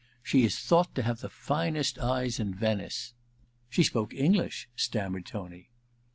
She is thought to have the finest eyes in Venice.' * She spoke English,' stammered Tony.